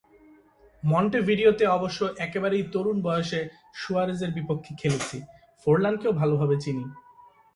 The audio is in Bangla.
মন্টেভিডিওতে অবশ্য একেবারেই তরুণ বয়সে সুয়ারেজের বিপক্ষে খেলেছি, ফোরলানকেও ভালোভাবে চিনি।